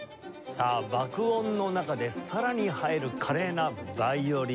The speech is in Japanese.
さあ爆音の中でさらに映える華麗なヴァイオリン。